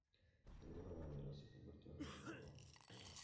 De alguna manera, se convirtió en una broma.